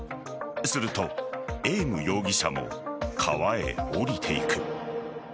すると、エーム容疑者も川へ降りていく。